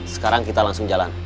sekarang kita langsung jalan